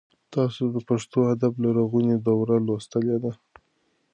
تاسو د پښتو ادب لرغونې دوره لوستلې ده؟